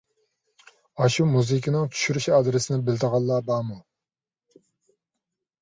ئاشۇ مۇزىكىنىڭ چۈشۈرۈش ئادرېسىنى بىلىدىغانلار بارمۇ؟